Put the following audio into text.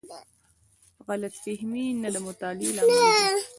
غلط فهمۍ د نه مطالعې له امله دي.